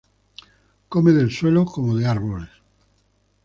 Come del suelo como de árboles.